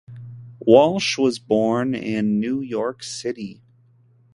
Walsh was born in New York City.